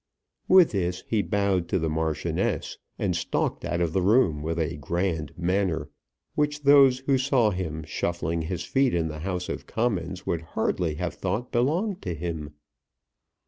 With this he bowed to the Marchioness, and stalked out of the room with a grand manner, which those who saw him shuffling his feet in the House of Commons would hardly have thought belonged to him.